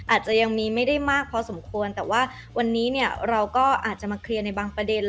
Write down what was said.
อาจจะยังมีไม่ได้มากพอสมควรแต่ว่าวันนี้เนี่ยเราก็อาจจะมาเคลียร์ในบางประเด็น